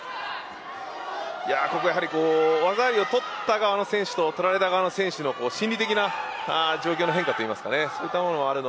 ここは技ありを取った側の選手と取られた側の選手といい心理的な状況の変化もあります。